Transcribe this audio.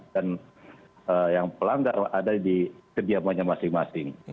dan yang pelanggar ada di kediamannya masing masing